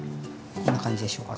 こんな感じでしょうか。